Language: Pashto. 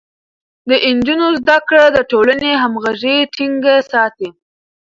د نجونو زده کړه د ټولنې همغږي ټينګه ساتي.